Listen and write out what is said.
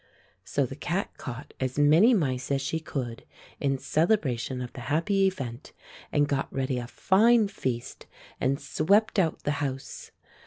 So the cat caught as many mice as she could in celebration of the happy event, and got ready a fine feast, and swept out the house.